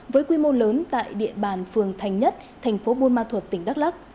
với quy mô lớn tại địa bàn phường thành nhất thành phố buôn ma thuật tỉnh đắk lắc